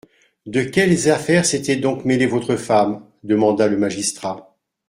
De quelles affaires s'était donc mêlée votre femme ? demanda le magistrat.